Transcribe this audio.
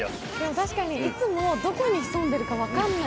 確かにいつもどこに潜んでるか分からない。